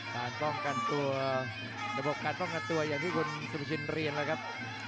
การป้องกันตัวระบบการป้องกันตัวอย่างที่คุณสุภาชินเรียนแล้วครับ